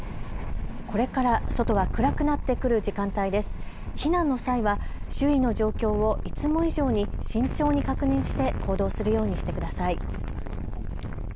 避難の際は周囲の状況をいつも以上に慎重に確認して行動するようにしてください。